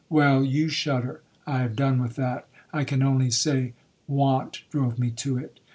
Well,—you shudder, I have done with that. I can only say want drove me to it.